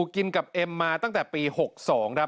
กินกับเอ็มมาตั้งแต่ปี๖๒ครับ